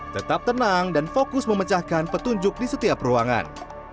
tetap tenang dan fokus memecahkan petunjuk di setiap ruangan